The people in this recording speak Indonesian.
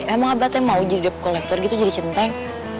emang abaten mau jadi debt collector gitu jadi centeng